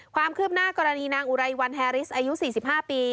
ความคืบหน้ากรณีนางอุไรวันแฮริสอายุ๔๕ปี